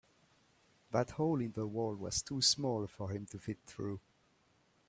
That hole in the wall was too small for him to fit through.